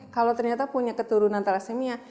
kalau ternyata punya keturunan thalassemia